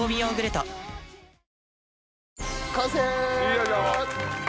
よいしょ！